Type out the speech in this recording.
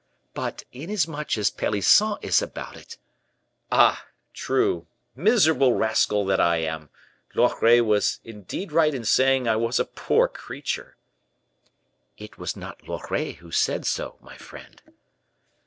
"But inasmuch as Pelisson is about it! " "Ah, true, miserable rascal that I am! Loret was indeed right in saying I was a poor creature." "It was not Loret who said so, my friend."